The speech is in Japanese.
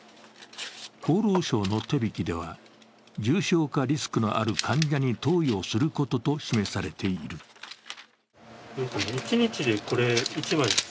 厚労省の手引きでは、重症化リスクのある患者に投与することと示されています。